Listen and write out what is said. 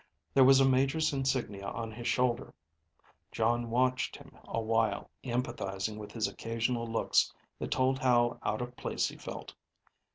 There was a major's insignia on his shoulder. Jon watched him a while, empathizing with his occasional looks that told how out of place he felt.